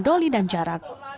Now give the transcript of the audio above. doli dan jarak